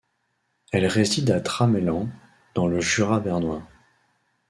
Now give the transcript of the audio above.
Elle réside à Tramelan, dans le Jura bernois.